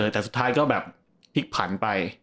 แต่สุดท้ายก็แบบพลิกผันไป